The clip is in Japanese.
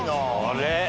あれ？